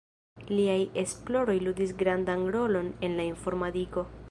Liaj esploroj ludis grandan rolon en la informadiko.